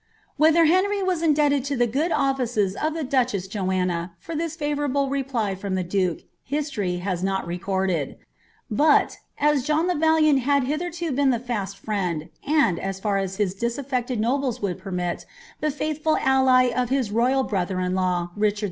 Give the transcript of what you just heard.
' Whether Henry was indebted lo the good offices oT the dndieHJomn for i)iis favourable reply from the duke, history has not reconleil. BmI, as John the Valiant had hitherto been the fast frieod, and, as &rM fait ilisatlected nobles would permit, the faithful ally of his rojU b law, Ricliard II.